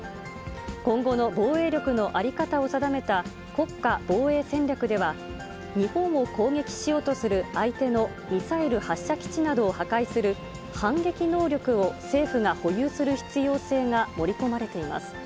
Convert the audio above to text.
今後の防衛力の在り方を定めた国家防衛戦略では、日本を攻撃しようとする相手のミサイル発射基地などを破壊する反撃能力を政府が保有する必要性が盛り込まれています。